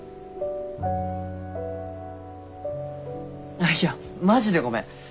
ああいやマジでごめん。